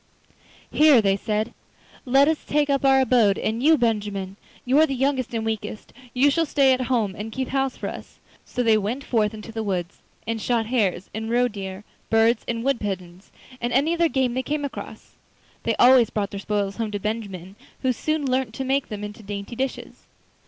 'Here,' they said, 'let us take up our abode, and you, Benjamin, you are the youngest and weakest, you shall stay at home and keep house for us; we others will go out and fetch food.' So they went forth into the wood, and shot hares and roe deer, birds and wood pigeons, and any other game they came across. They always brought their spoils home to Benjamin, who soon learnt to make them into dainty dishes.